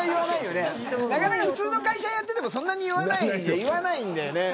なかなか普通の会社でもそんなに言わないよ。